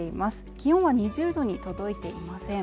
気温は２０℃に届いていません。